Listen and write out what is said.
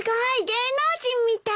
芸能人みたい。